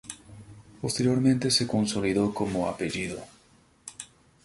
Posteriormente se consolidó como apellido.